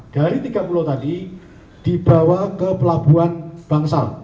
dari tiga pulau tadi dibawa ke pelabuhan bangsal